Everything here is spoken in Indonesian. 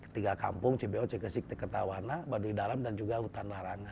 tiga kampung cbo cksi ktk baduy dalam dan juga hutan